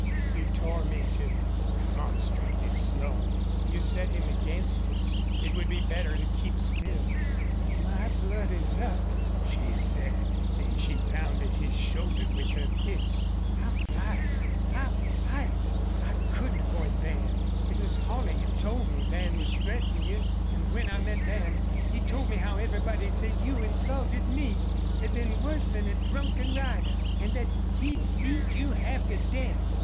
"You torment him," remonstrated Slone. "You set him against us. It would be better to keep still." "But my blood is up!" she said, and she pounded his shoulder with her fist. "I'll fight I'll fight! ... I couldn't avoid Van. It was Holley who told me Van was threatening you. And when I met Van he told me how everybody said you insulted me had been worse than a drunken rider and that he'd beat you half to death.